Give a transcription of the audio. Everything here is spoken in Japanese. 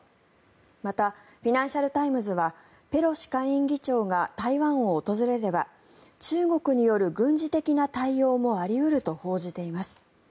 またフィナンシャル・タイムズはペロシ下院議長が台湾を訪れれば中国による軍事的な対応もあり得ると報じています。